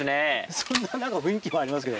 そんな雰囲気もありますけど。